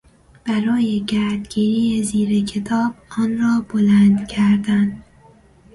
برای گردگیری زیر کتاب آن را بلند کردن